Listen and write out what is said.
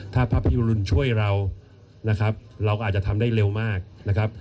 ถ้าพระพิรุณช่วยเรานะครับเราก็อาจจะทำได้เร็วมากนะครับ